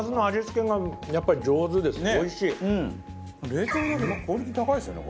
冷凍だけどクオリティ高いですよね